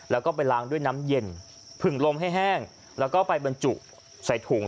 แล้วก็ไปล้างด้วยน้ำเย็นผึ่งลมให้แห้งแล้วก็ไปบรรจุใส่ถุง